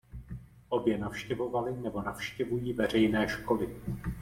Obě navštěvovaly nebo navštěvují veřejné školy.